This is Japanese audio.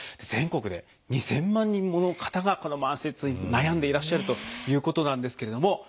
全国で２，０００万人もの方がこの慢性痛に悩んでいらっしゃるということなんですけれども。